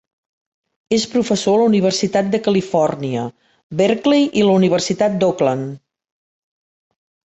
És professor a la Universitat de Califòrnia, Berkeley i a la Universitat d'Auckland.